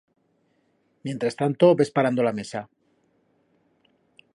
Mientrestanto, ves parando la mesa.